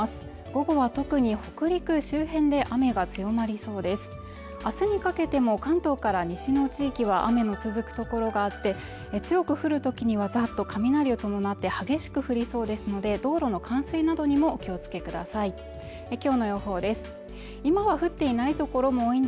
午後は特に北陸周辺で雨が強まりそうです明日にかけても関東から西の地域は雨の続く所があって強く降るときにはざっと雷を伴って激しく降りそうですので道路の冠水などにもお気をつけください